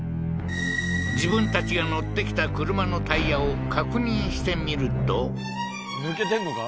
自分たちが乗ってきた車のタイヤを確認してみると抜けてんのか？